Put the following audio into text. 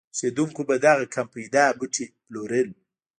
اوسېدونکو به دغه کم پیدا بوټي پلورل.